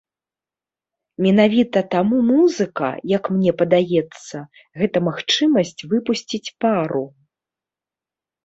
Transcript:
Менавіта таму музыка, як мне падаецца, гэта магчымасць выпусціць пару.